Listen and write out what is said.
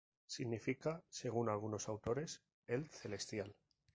Significa, según algunos autores, 'el Celestial'.